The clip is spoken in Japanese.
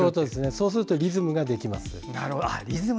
そうするとリズムができます。